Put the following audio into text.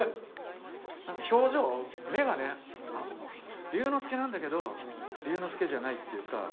何か表情目がね瑠之介なんだけど瑠之介じゃないっていうか。